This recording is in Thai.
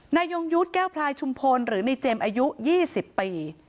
ยงยุทธ์แก้วพลายชุมพลหรือในเจมส์อายุ๒๐ปี